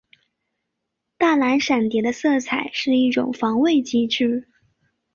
大蓝闪蝶的色彩是一种防卫机制。